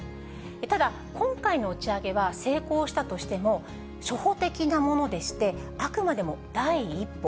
ただ、今回の打ち上げは成功したとしても、初歩的なものでして、あくまでも第一歩。